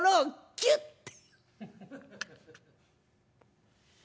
「キュッて」。